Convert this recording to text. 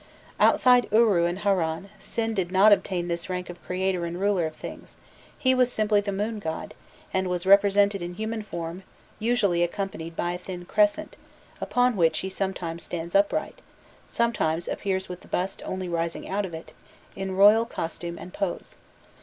Outside Uru and Harran, Sin did not obtain this rank of creator and ruler of things; he was simply the moon god, and was represented in human form, usually accompanied by a thin crescent, upon which he sometimes stands upright, sometimes appears with the bust only rising out of it, in royal costume and pose.